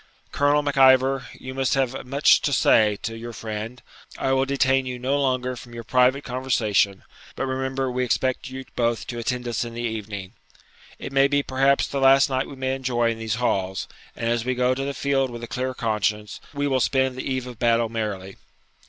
Colonel Mac Ivor, you must have much to say to your friend; I will detain you no longer from your private conversation; but remember we expect you both to attend us in the evening. It may be perhaps the last night we may enjoy in these halls, and as we go to the field with a clear conscience, we will spend the eve of battle merrily.'